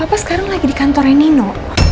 nah papa sekarang lagi di kontornya nino